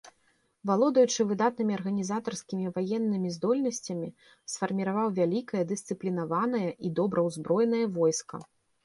Валодаючы выдатнымі арганізатарскімі і ваеннымі здольнасцямі, сфарміраваў вялікае, дысцыплінаванае і добра ўзброенае войска.